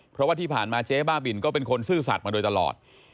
เพราะว่าที่ผ่านมาเจ๊บ้าบินก็เป็นคนซื่อสัตว์มาโดยตลอด